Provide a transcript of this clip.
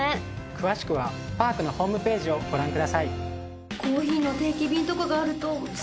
詳しくはＰｅｒｋのホームページをご覧ください。